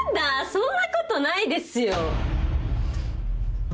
そんなことないですよ。